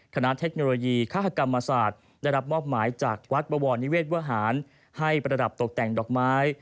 เทคโนโลยีฆาตกรรมศาสตร์ได้รับมอบหมายจากวัดบวรนิเวศวหารให้ประดับตกแต่งดอกไม้